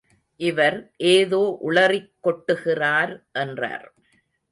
இவர் ஏதோ உளறிக் கொட்டுகிறார் என்றார்.